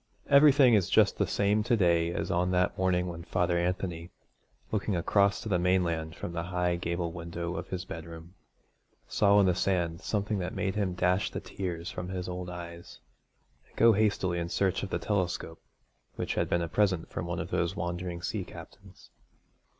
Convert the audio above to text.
Everything is just the same to day as on that morning when Father Anthony, looking across to the mainland from the high gable window of his bedroom, saw on the sands something that made him dash the tears from his old eyes, and go hastily in search of the telescope which had been a present from one of those wandering sea captains.